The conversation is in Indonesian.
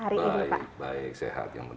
baik baik sehat